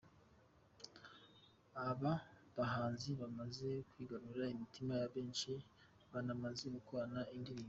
Aba bahanzi bamaze kwigarurira imitima ya benshi banamaze gukorana indirimbo.